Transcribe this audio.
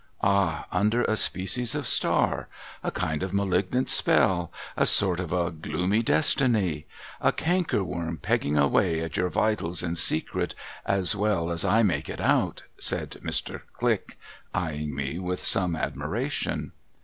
'Ah! Under a species of star? A kind of malignant spell? A sort of a gloomy destiny ? A cankerworm pegging away at your vitals in secret, as well as I make it out?' said Mr. Click, eyeing me with some admiration.